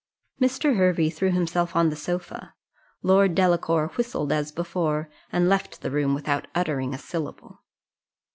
Mr. Hervey threw himself on the sofa; Lord Delacour whistled as before, and left the room without uttering a syllable.